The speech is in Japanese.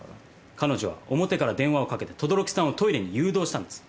彼女は表から電話を掛けて等々力さんをトイレに誘導したんです。